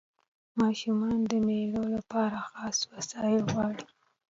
ماشومان د مېلو له پاره خاص وسایل غواړي.